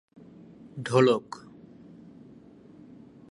ঢোলক, harmonium, ডুগি, তবলা, খঞ্জনি, বাঁশি ইত্যাদি বাদ্যযন্ত্র এতে ব্যবহূত হয়।